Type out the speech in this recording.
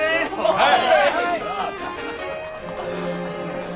はい！